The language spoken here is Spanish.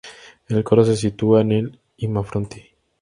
El coro se sitúa en el imafronte.